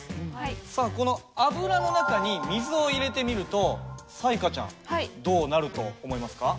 さあこの油の中に水を入れてみると彩加ちゃんどうなると思いますか？